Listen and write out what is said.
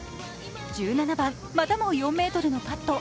１７番、またも４ｍのパット。